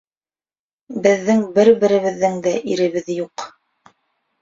Беҙҙең беребеҙҙең дә иребеҙ юҡ!